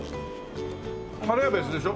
タレは別でしょ？